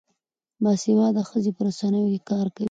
باسواده ښځې په رسنیو کې کار کوي.